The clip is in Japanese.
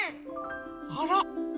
あら！